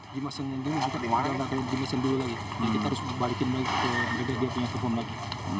kita harus kembali ke mereka mereka punya perform lagi